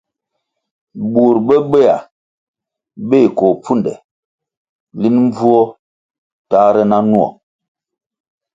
Burʼ bobehya beh koh pfunde linʼ mbvuo tahre na nwo,